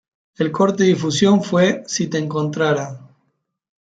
El corte difusión fue "Si te encontrara".